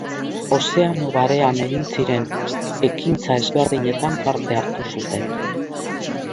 Ozeano Barean egin ziren ekintza ezberdinetan parte hartu zuten.